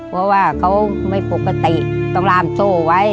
เพราะว่าเขาไม่ปกติต้องลามโซ่ไว้